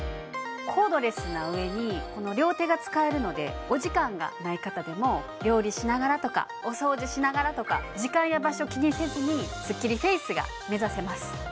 コードレスな上に両手が使えるのでお時間がない方でも料理しながらとかお掃除しながらとか時間や場所気にせずにスッキリフェイスが目指せます